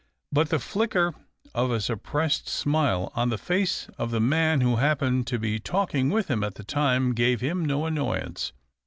But the flicker of a suppressed smile on the face of the man who happened to be talking with him at the time gave him no annoyance.